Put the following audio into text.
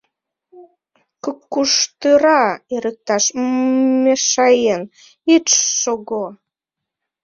К-к-куштыра эрыкташ м-м-мешаен ит ш-ш-шого.